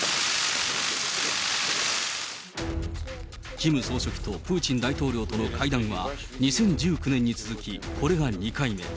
キム総書記とプーチン大統領との会談は、２０１９年に続きこれが２回目。